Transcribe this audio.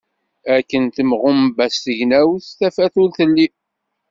Akken tenɣumbas tegnawt, tafat ur telli.